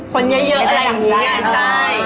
คนเยอะอะไรอย่างนี้